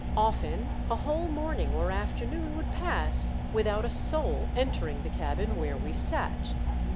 Often a whole morning or afternoon would pass without a soul entering the cabin where we sat.